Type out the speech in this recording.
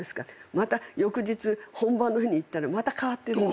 また翌日本番の日に行ったらまた変わってるんですよ。